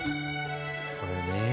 これね。